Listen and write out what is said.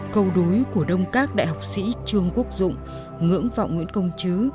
câu đối của đông các đại học sĩ trương quốc dụng ngưỡng vọng nguyễn công chứ